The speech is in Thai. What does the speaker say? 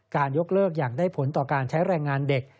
ยกเลิกอย่างได้ผลต่อการใช้แรงงานเด็ก